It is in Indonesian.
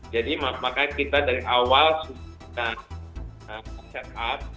jadi makanya kita dari awal sudah setup